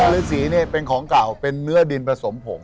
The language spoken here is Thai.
ฤษีเนี่ยเป็นของเก่าเป็นเนื้อดินผสมผง